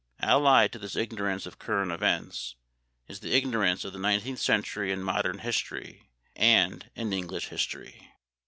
Allied to this ignorance of current events, is the ignorance of the nineteenth century in Modern history and in English history.